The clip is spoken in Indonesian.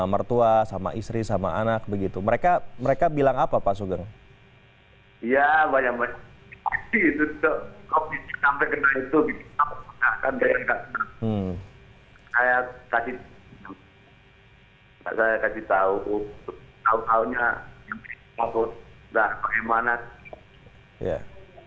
mertua sama istri sama anak begitu mereka mereka bilang apa pak sugeng oh iya banyak